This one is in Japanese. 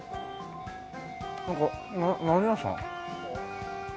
なんか何屋さん？